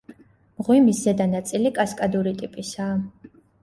მღვიმის ზედა ნაწილი კასკადური ტიპისაა.